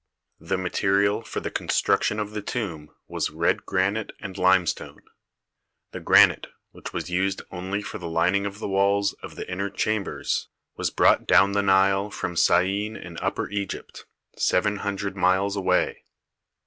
The material for the construction of the tomb was red granite and limestone. The granite, which was used only for the lining of the walls of the inner chambers, was brought down the Nile from Syene in Upper Egypt, seven hundred miles away.